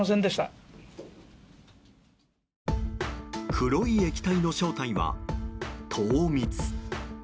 黒い液体の正体は糖蜜。